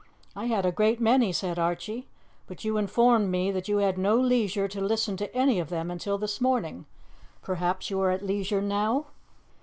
"I had a great many," said Archie, "but you informed me that you had no leisure to listen to any of them until this morning. Perhaps you are at leisure now?"